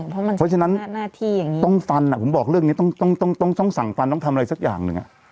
เพราะฉะนั้นต้องฟันผมบอกเรื่องนี้ต้องสั่งฟันต้องทำอะไรสักอย่างหนึ่ง